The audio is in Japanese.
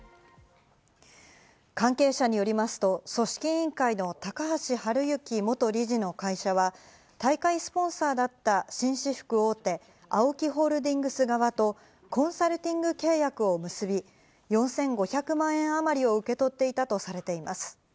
関係者によりますと、組織委員会の高橋治之元理事の会社は大会スポンサーだった紳士服大手・ＡＯＫＩホールディングス側とコンサルティング契約を結び、４５００万円あまりを受け取っていたとされています。